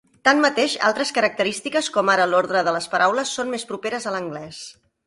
Tanmateix, altres característiques com ara l'ordre de les paraules són més properes a l'anglès.